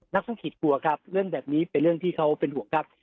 ธุรกิจกลัวครับเรื่องแบบนี้เป็นเรื่องที่เขาเป็นห่วงครับ